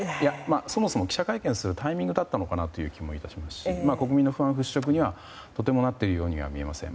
そもそも記者会見するタイミングだったのかなとも思いますし国民の不安払拭にとてもなっているようには見えません。